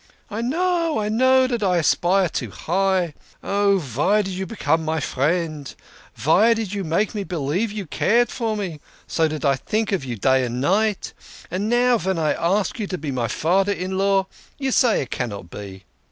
"" I know, I know dat I aspire too high. Oh, vy did you become my friend, vy did you make me believe you cared for me so dat I tink of you day and night and now, ven I ask you to be my fader in law, you say it cannot be.